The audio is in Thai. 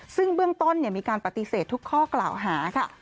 ซึ่งเบื้องต้นมีการปฏิเสธทุกข้อกล่าวหาค่ะ